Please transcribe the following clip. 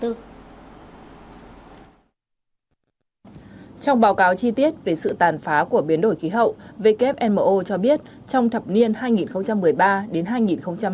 trong báo cáo chi tiết về sự tàn phá của biến đổi khí hậu wmo cho biết trong thập niên hai nghìn một mươi ba đến hai nghìn một mươi tám